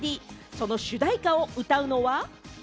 その主題歌を歌うのは。